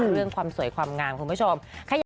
เรื่องความสวยความงามคุณผู้ชม